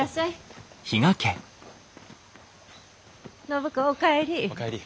暢子お帰り。